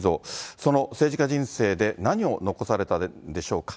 その政治家人生で何を残されたんでしょうか。